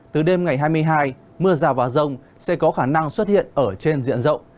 từ đêm ngày hai mươi hai mưa rào và rông sẽ có khả năng xuất hiện ở trên diện rộng